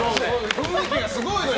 雰囲気がすごいのよ。